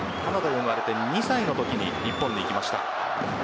カナダで生まれて２歳のときに日本に来ました。